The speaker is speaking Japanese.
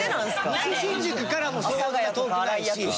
西新宿からもそんな遠くないし。